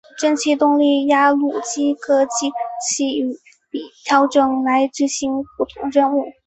蒸气动力压路机可藉齿比调整来执行不同任务。